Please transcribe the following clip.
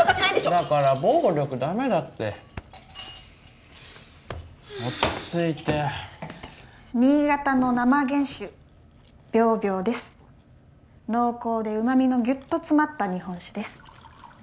だから暴力ダメだって落ち着いて新潟の生原酒びょうびょうです濃厚で旨味のぎゅっと詰まった日本酒です